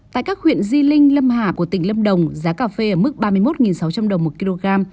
tại các huyện di linh lâm hà của tỉnh lâm đồng giá cà phê ở mức ba mươi một sáu trăm linh đồng một kg